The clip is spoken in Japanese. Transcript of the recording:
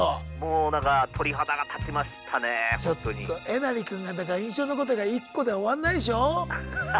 えなり君がだから印象に残ってる回１個で終わんないでしょう？